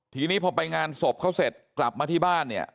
ทีนี้พอไปงานศพเขาเสร็จกลับมาที่บ้านเนี่ย